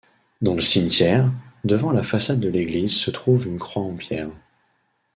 Dans le cimetière, devant la façade de l'église se trouve une croix en pierre.